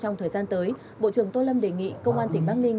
trong thời gian tới bộ trưởng tô lâm đề nghị công an tỉnh bắc ninh